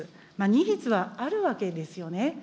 ニーズはあるわけですよね。